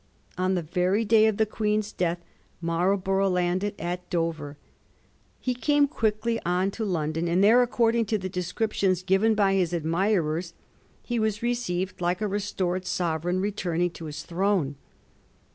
On the very day of the Queen's death Marlborough landed at Dover. He came quickly on to London, and there, according to the descriptions ^ven by his admirers, he was received like a restored sovereign returning to his throne.